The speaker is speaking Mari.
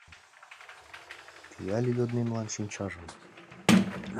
Пӱяле йодмемлан шинчажым